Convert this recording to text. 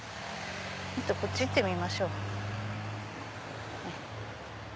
こっち行ってみましょう。